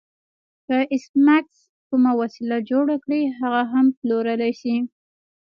که ایس میکس کومه وسیله جوړه کړي هغه هم پلورلی شي